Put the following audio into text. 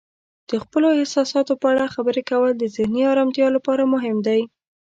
د خپلو احساساتو په اړه خبرې کول د ذهني آرامتیا لپاره مهم دی.